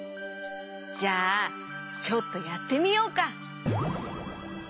じゃあちょっとやってみようか。